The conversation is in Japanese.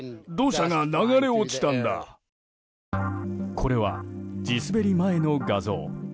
これは地滑り前の画像。